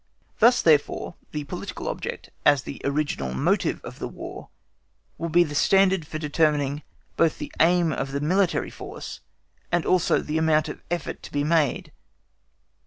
Thus, therefore, the political object, as the original motive of the War, will be the standard for determining both the aim of the military force and also the amount of effort to be made.